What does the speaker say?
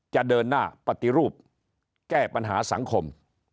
จะเดินหน้าปฏิรูปแก้ปัญหาสังคม